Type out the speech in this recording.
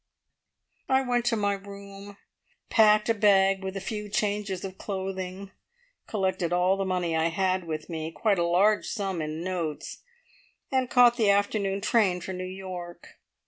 "I went to my room, packed a bag with a few changes of clothing, collected all the money I had with me, quite a large sum in notes, and caught the afternoon train for New York.